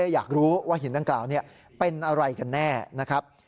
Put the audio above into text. อยากรู้ว่าหินดังกล่าวเป็นอะไรกันแน่นะครับ